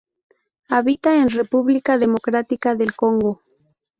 Habita en República Democrática del Congo.